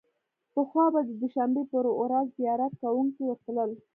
پخوا به د دوشنبې په ورځ زیارت کوونکي ورتلل.